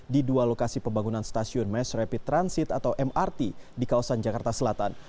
di dua lokasi pembangunan stasiun mass rapid transit atau mrt di kawasan jakarta selatan